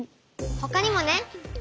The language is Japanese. ほかにもね。